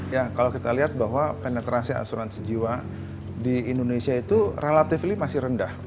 ya kalau kita lihat bahwa penetrasi asuransi jiwa di indonesia itu relatively masih rendah